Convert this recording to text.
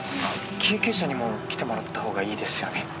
救急車にも来てもらった方がいいですよね。